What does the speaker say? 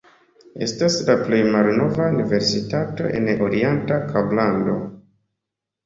Estas la plej malnova universitato en Orienta Kablando.